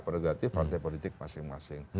prerogatif partai politik masing masing